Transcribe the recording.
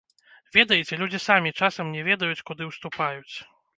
Ведаеце, людзі самі часам не ведаюць, куды ўступаюць!